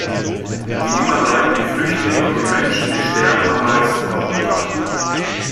Wie immer leiden die Flüchtlinge und die Menschen, die sterben, am meisten darunter.